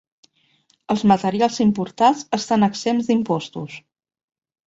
Els materials importats estan exempts d'impostos.